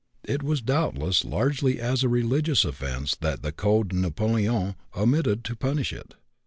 It was doubtless largely as a religious offense that the Code Napoléon omitted to punish it.